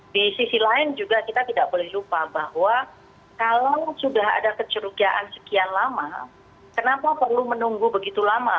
di sisi lain juga kita tidak boleh lupa bahwa kalau sudah ada kecurigaan sekian lama kenapa perlu menunggu begitu lama